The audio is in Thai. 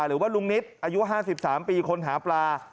หรือว่าลุงนิตอายุ๕๓ปีคนหาปลา